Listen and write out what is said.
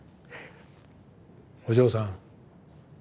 お嬢さん。